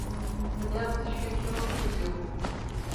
تەنیا پزیشکیی موقیمی لێبووە